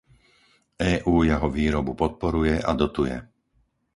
EÚ jeho výrobu podporuje a dotuje.